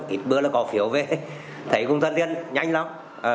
ít bữa là có phiếu về thấy cũng thân thiện nhanh lắm